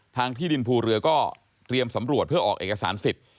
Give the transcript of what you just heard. ที่ดินภูเรือก็เตรียมสำรวจเพื่อออกเอกสารสิทธิ์